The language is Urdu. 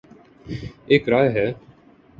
ایک رائے ہے۔